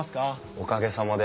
おかげさまで。